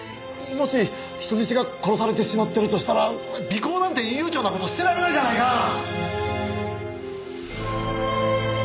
もし人質が殺されてしまってるとしたら尾行なんて悠長な事してられないじゃないか！